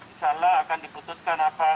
insya allah akan diputuskan